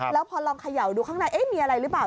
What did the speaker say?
แล้วพอลองเขย่าดูข้างในมีอะไรหรือเปล่า